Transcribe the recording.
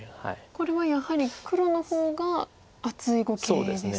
これはやはり黒の方が厚い碁形ですか。